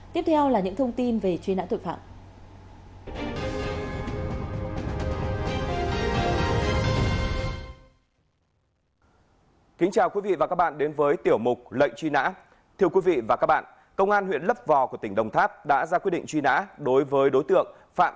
tiếp theo là những thông tin về truy nã tội phạm